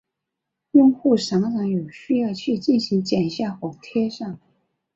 用户常常有需要去进行剪下和贴上。